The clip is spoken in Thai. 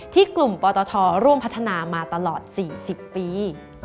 ที่กลุ่มปตทร่วมพัฒนามาตลอด๔๐ปี